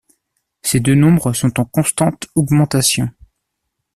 Ces deux nombres sont en constante augmentation.